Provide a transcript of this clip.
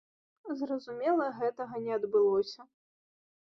Зразумела, гэтага не адбылося.